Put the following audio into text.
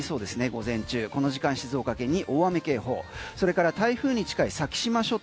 午前中この時間静岡県に大雨警報それから台風に近い先島諸島